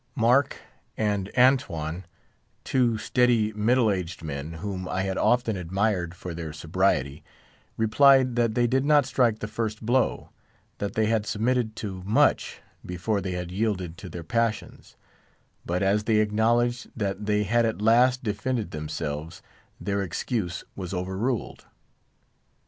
Mark and Antone, two steady, middle aged men, whom I had often admired for their sobriety, replied that they did not strike the first blow; that they had submitted to much before they had yielded to their passions; but as they acknowledged that they had at last defended themselves, their excuse was overruled.